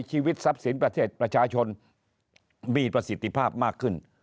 ชีวิตทรัพย์สินประเทศประชาชนมีประสิทธิภาพมากขึ้น